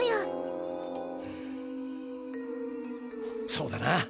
そうだな。